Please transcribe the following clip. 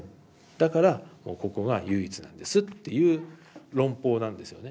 だからここが唯一なんですっていう論法なんですよね。